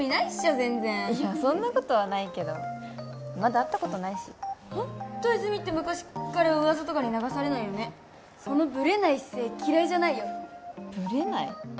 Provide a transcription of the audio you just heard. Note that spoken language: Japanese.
全然いやそんなことはないけどまだ会ったことないしホント泉って昔っから噂とかに流されないよねそのブレない姿勢嫌いじゃないよブレない？